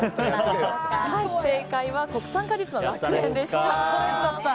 正解は国産果実の楽園でした。